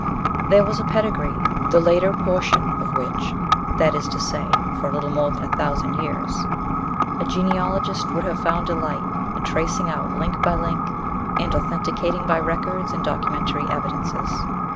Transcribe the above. There was a pedigree, the later portion of which that is to say, for a little more than a thousand years a genealogist would have found delight in tracing out, link by link, and authenticating by records and documentary evidences.